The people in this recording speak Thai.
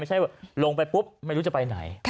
ไม่ใช่ว่าลงไปปุ๊บไม่รู้จะไปไหน